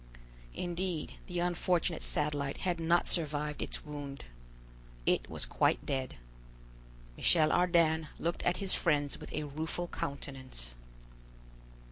Indeed the unfortunate Satellite had not survived its wound. It was quite dead. Michel Ardan looked at his friends with a rueful countenance.